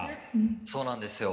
「そうなんですよ。